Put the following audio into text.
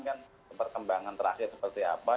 kan perkembangan terakhir seperti apa